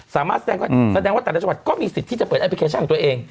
แสดงก็แสดงว่าแต่ละจังหวัดก็มีสิทธิ์ที่จะเปิดแอปพลิเคชันของตัวเอง